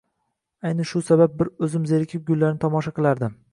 Ayni shu sabab, bir o`zim zerikib gullarni tomosha qilardim